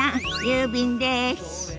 郵便です。